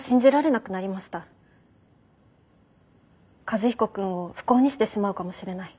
和彦君を不幸にしてしまうかもしれない。